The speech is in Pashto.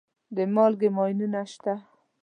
د مالګې ماینونه شته.